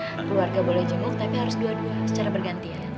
keluarga boleh jenggok tapi harus dua dua secara bergantian